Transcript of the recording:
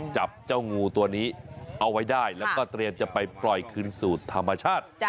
จับเจ้างูตัวนี้เอาไว้ได้แล้วก็เตรียมจะไปปล่อยคืนสู่ธรรมชาติ